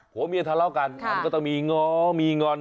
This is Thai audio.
หัวเมียทะเลาะกันมันก็ต้องมีง้อมีงอน